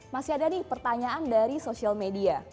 masih ada nih pertanyaan dari social media